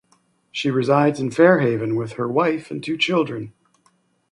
She resides in Fairhaven with her wife and two children.